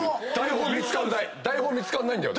台本見つかんない。